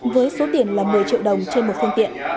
với số tiền là một mươi triệu đồng trên một phương tiện